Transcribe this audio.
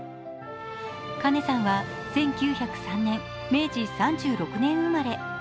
カ子さんは１９０３年、明治３６年生まれ。